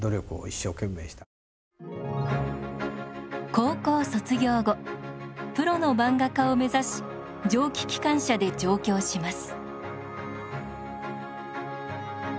高校卒業後プロの漫画家を目指し蒸気機関車で上京します。